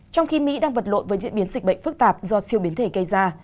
trong khi mỹ đang vật lộn với diễn biến dịch bệnh phức tạp do siêu biến thể gây ra